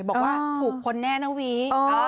บอกว่าถูกคนแน่นะวี